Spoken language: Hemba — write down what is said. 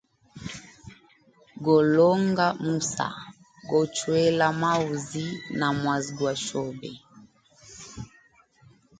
Golonga musa, gochwela maozi na mwazi gwa shobe.